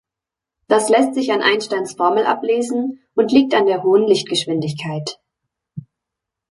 Das lässt sich an Einsteins Formel ablesen und liegt an der hohen Lichtgeschwindigkeit.